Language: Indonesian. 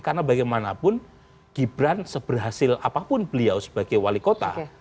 karena bagaimanapun gibran seberhasil apapun beliau sebagai wali kota